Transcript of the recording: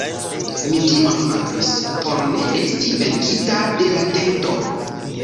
Mi tion faris, por ne esti venkita de la tento.